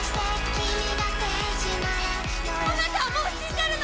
あなたはもう死んでるの！